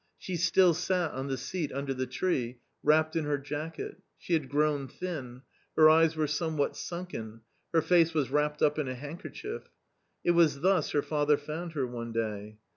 She still sat on the seat under the tree, wrapped in her jacket. She had grown thin ; her eyes were somewhat sunken ; her face was wrapped up in a handkerchief. It was thus her father found her one day.